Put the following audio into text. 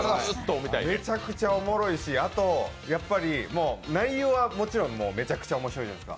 めちゃくちゃおもろいし、内容はもちろんめちゃくちゃ面白いじゃえないですか。